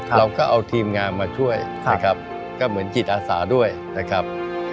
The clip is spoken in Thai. เราก็เอาทีมงานมาช่วยนะครับก็เหมือนจิตอาสาด้วยนะครับ